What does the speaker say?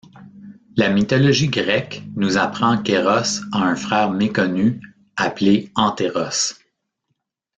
La mythologie grecque nous apprend qu’Eros a un frère méconnu, appelé Antéros.